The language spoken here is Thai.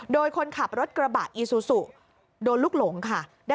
โดยคนขับรถกระบะอีซูซูโดนลูกหลงค่ะ